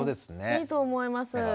いいと思います。